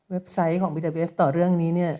เว็บไซต์ของบีดับบีโอเอฟต่อเรื่องนี้เนี้ย